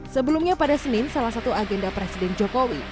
sebelumnya pada senin salah satu agenda presiden jokowi